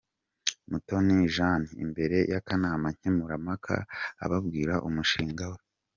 Mutoni Jane imbere y'akanama nkemurampaka ababwira umushinga we.